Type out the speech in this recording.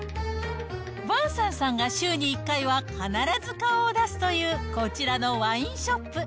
ヴァンサンさんが週に１回は必ず顔を出すというこちらのワインショップ。